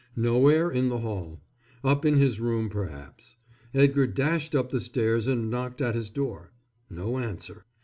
Nowhere in the hall. Up in his room perhaps. Edgar dashed up the stairs and knocked at his door. No answer.